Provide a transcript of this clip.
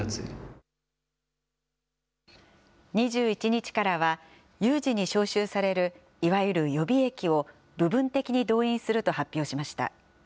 ２１日からは、有事に招集されるいわゆる予備役を、部分的に動員すると発表しました。